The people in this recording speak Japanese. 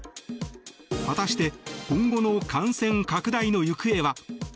果たして今後の感染拡大の行方は？